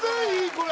これ。